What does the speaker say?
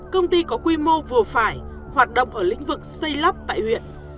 công ty có quy mô vừa phải hoạt động ở lĩnh vực xây lắp tại huyện